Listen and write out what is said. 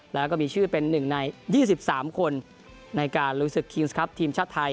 แล้วก็มีชื่อเป็นหนึ่งในยี่สิบสามคนในการลุยศึกครีมส์ครับทีมชาติไทย